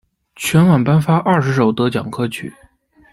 全晚颁发二十首得奖歌曲。